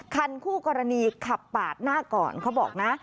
คันคู่กรณีขับปาดหน้าก่อนเขาบอกนะ